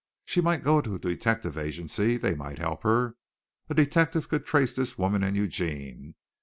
She might go to a detective agency. They might help her. A detective could trace this woman and Eugene.